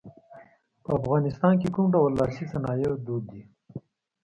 په افغانستان کې کوم ډول لاسي صنایع دود دي.